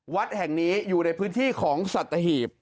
วัดแห่งนี้อยู่ในพื้นที่ของสัตหีบ